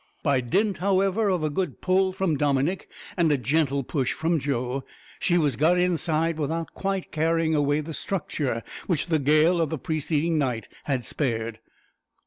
By dint, however, of a good pull from Dominick and a gentle push from Joe, she was got inside without quite carrying away the structure which the gale of the preceding night had spared.